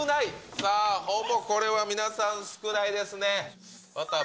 さあ、ほぼこれは皆さん少ないですね。